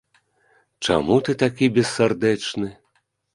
Чаму ты такі бессардэчны?